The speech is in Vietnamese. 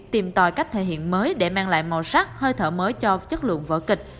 tìm tòi cách thể hiện mới để mang lại màu sắc hơi thở mới